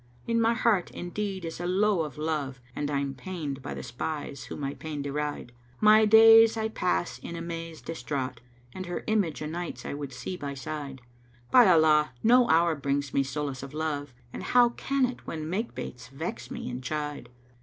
In my heart indeed is a lowe of love * And I'm pained by the spies who my pain deride: My days I pass in amaze distraught, * And her image a nights I would see by side: By Allah, no hour brings me solace of love * And how can it when makebates vex me and chide?